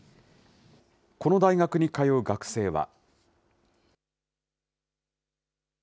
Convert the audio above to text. この大学に通う学生は。